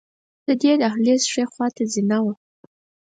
د دې دهلېز ښې خواته زینه وه.